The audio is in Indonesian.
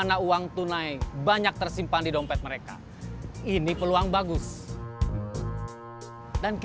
nanti ketemu di tempat biasa